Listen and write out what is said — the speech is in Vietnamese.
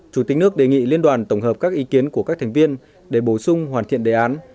chủ tịch nước đề nghị liên đoàn tổng hợp các ý kiến của các thành viên để bổ sung hoàn thiện đề án